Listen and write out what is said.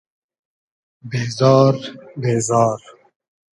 بېزار بېزار